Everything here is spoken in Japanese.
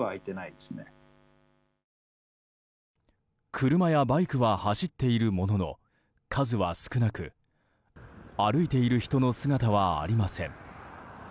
車やバイクは走っているものの数は少なく歩いている人の姿はありません。